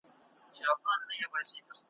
تا وې دا واري مطلب ته ور رسیږم